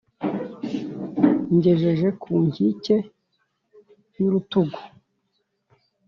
ngejeje ku nkike y’urutugu